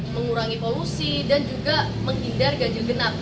mengurangi polusi dan juga menghindar ganjil genap